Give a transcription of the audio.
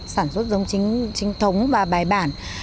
sản xuất giống chính thống và bài bản